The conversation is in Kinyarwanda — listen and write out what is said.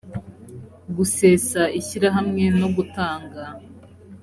gusesa ishyirahamwe no gutanga